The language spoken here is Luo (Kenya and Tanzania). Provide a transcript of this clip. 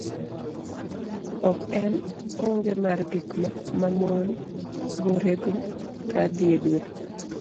ok en onge mar gik mamon bore go ka dhiedwe